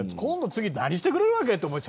次は何してくれるわけって。